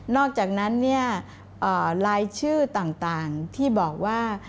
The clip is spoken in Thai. อกจากนั้นเนี่ยรายชื่อต่างที่บอกว่า